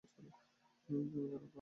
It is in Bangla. তিনি এই খেতাব ত্যাগ করেন।